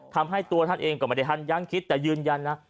ทำให้ตัวท่านเองก็ไม่ได้ทันยังคิดแต่ยืนยันนะ